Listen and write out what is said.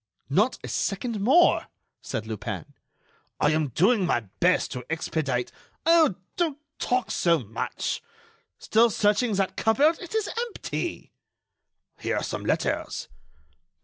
"Not a second more," said Lupin. "I am doing my best to expedite——" "Oh! don't talk so much.... Still searching that cupboard? It is empty." "Here are some letters."